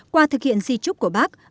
qua thực hiện di trúc của bác